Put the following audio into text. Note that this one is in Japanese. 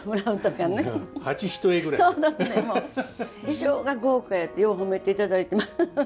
衣装が豪華やてよう褒めていただいてます。